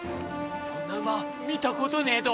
そんな馬見たことねえど！